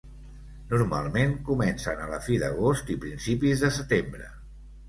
Normalment comencen a la fi d'agost i principis de setembre.